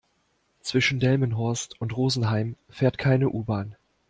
Zwischen Delmenhorst und Rosenheim fährt keine U-Bahn